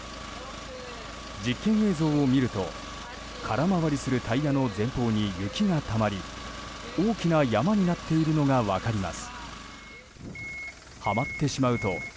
実験映像を見ると空回りするタイヤの前方に雪がたまり、大きな山になっているのが分かります。